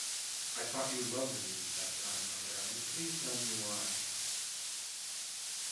I thought you loved me that time, my darling, please tell me why.